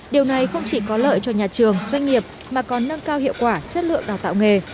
điều này không chỉ có lợi cho nhà trường doanh nghiệp mà còn nâng cao hiệu quả chất lượng đào tạo nghề